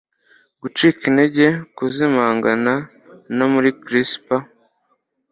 gucika intege, kuzimangana, na muri crisper